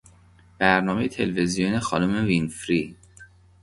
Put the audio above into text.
برنامه تلویزیونی خانم وینفری